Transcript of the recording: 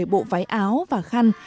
một mươi bộ váy áo và khăn